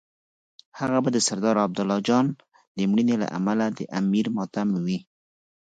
هغه به د سردار عبدالله جان د مړینې له امله د امیر ماتم وي.